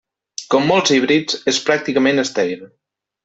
Com molts híbrids és pràcticament estèril.